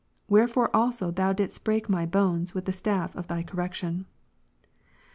Wherefore also Thou didst break my of. Ps.52, bones with the staff of Thy correction. '"^' 10.